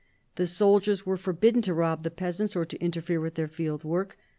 The soldiers were forbidden to rob the peasants, or to interfere with their field work.